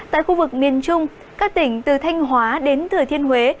tại khu vực miền trung các tỉnh từ thanh hóa đến thừa thiên huế